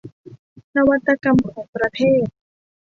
นวัตกรรมของประเทศ